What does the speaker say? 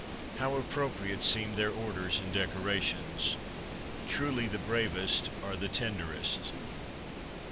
How appropriate seemed their orders and decorations. Truly the bravest are the tenderest